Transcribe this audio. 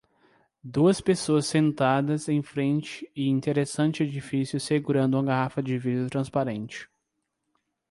Duas pessoas sentadas em frente e interessante edifício segurando uma garrafa de vidro transparente.